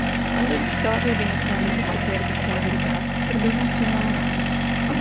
Quando Victoria viene finalmente a sapere tutta la verità, perdona il suo innamorato.